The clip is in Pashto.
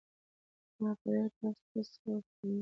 ما په ډېر کړس کړس سره ورته وخندل.